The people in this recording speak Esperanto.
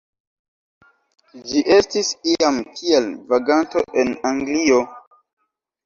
Ĝi estis iam kiel vaganto en Anglio.